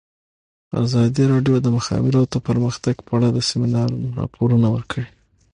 ازادي راډیو د د مخابراتو پرمختګ په اړه د سیمینارونو راپورونه ورکړي.